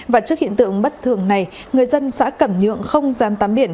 và trước hiện tượng bất thường này người dân xã cẩm nhượng không dám tắm biển